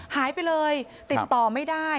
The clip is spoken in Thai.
หายไปเลยติดต่อไม่ได้